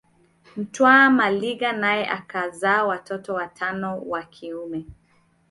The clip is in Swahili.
Mtwa Maliga naye akazaa watoto watano wa kiume